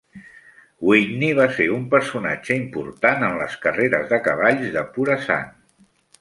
Whitney va ser un personatge important en les carreres de cavalls de pura sang.